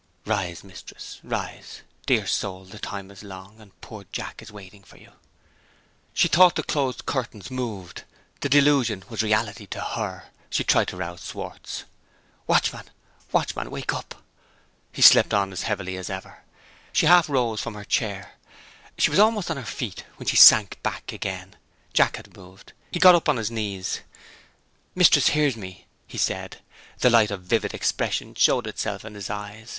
"Rise Mistress, rise! Dear soul, the time is long; and poor Jack is waiting for you!" She thought the closed curtains moved: the delusion was reality to her. She tried to rouse Schwartz. "Watchman! watchman! Wake up!" He slept on as heavily as ever. She half rose from her chair. She was almost on her feet when she sank back again. Jack had moved. He got up on his knees. "Mistress hears me!" he said. The light of vivid expression showed itself in his eyes.